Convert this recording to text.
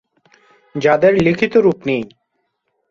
যাদের লিখিত রূপ নেই।